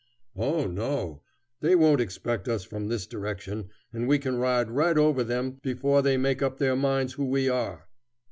"Oh no. They won't expect us from this direction, and we can ride over them before they make up their minds who we are."